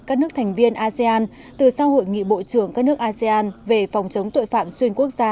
các nước thành viên asean từ sau hội nghị bộ trưởng các nước asean về phòng chống tội phạm xuyên quốc gia